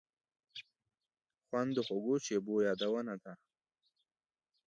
خوند د خوږو شیبو یادونه دي.